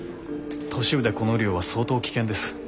都市部でこの量は相当危険です。